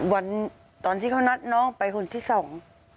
วันที่เขานัดน้องไปคนที่สอง